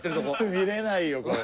見られないよこれ。